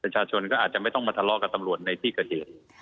ประชาชนก็อาจจะไม่ต้องมาทะเลาะกับตำรวจในที่เกิดเหตุ